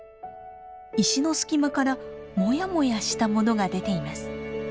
石の隙間からモヤモヤしたものが出ています。